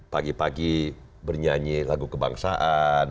pagi pagi bernyanyi lagu kebangsaan